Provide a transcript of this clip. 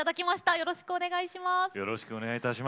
よろしくお願いします。